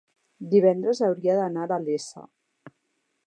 Divendres hauria d'anar a la Iessa.